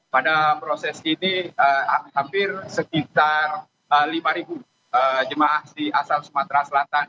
pada proses ini hampir sekitar lima jemaah asal sumatera selatan